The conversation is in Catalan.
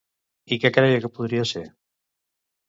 I qui creia que podria ser?